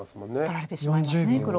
取られてしまいますね黒。